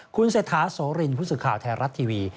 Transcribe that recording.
คุณเศรษฐาโสรินพุทธสุข่าวแทนรัฐทีวี